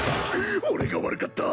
俺が悪かった。